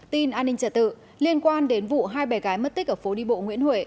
tin an ninh trả tự liên quan đến vụ hai bé gái mất tích ở phố đi bộ nguyễn huệ